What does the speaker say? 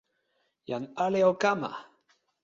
jan ale o kama!